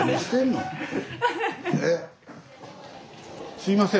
すいません。